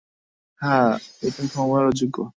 হ্যাঁ, এটা ক্ষমার অযোগ্য।